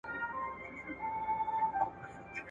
د څښاک پاکي اوبه د هر انسان د روغتیا لومړنی حق دی.